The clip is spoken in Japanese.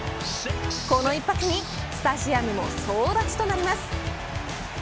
この一発にスタジアムも総立ちとなります。